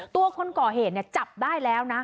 คนก่อเหตุจับได้แล้วนะ